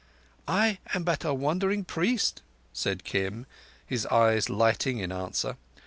"I am but a wandering priest," said Kim, his eyes lighting in answer.